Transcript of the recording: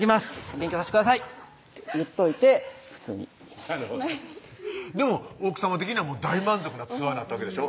「勉強さしてください」って言っといて普通に行きましたなるほどでも奥さま的には大満足なツアーになったわけでしょ？